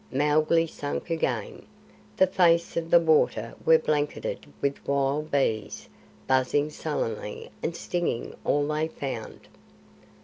Mowgli sank again. The face of the water was blanketed with wild bees, buzzing sullenly and stinging all they found.